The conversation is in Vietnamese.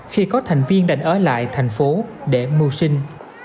khi có thành viên đành ở lại thành phố để mưu sinh